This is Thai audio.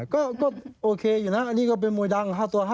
ก็โอเคอยู่นะอันนี้ก็เป็นมวยดัง๕ตัว๕